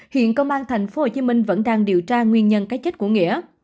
hiện công an tp hcm vẫn đang điều tra nguyên nhân cái chết của nghĩa